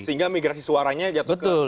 sehingga migrasi suaranya jatuh ke sandi agarwo